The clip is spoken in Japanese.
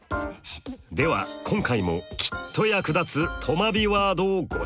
では今回もきっと役立つとまビワードをご紹介。